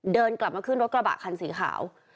เดินกลับมาขึ้นรถกระบะคันสีขาว